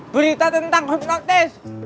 berita tentang hipnotis